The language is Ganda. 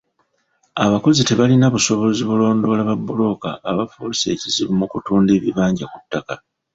Abakozi tebalina busobozi bulondoola babbulooka abafuuse ekizibu mu kutunda ebibanja ku ttaka.